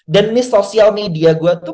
dan ini sosial media gue tuh